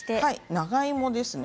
長芋です。